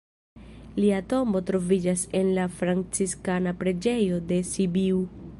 Lia tombo troviĝas en la Franciskana preĝejo de Sibiu.